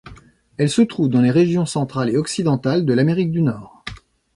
Elle se trouve dans les régions centrales et occidentales de l'Amérique du Nord.